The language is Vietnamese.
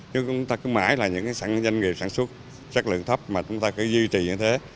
chứ chúng ta cứ mãi là những doanh nghiệp sản xuất chất lượng thấp mà chúng ta cứ duy trì như thế